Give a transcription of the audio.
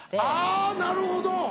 あぁなるほど。